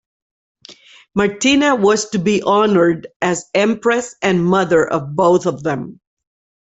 Martina was to be honoured as empress and mother of both of them.